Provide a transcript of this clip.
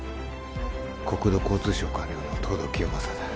国土交通省官僚の藤堂清正だ。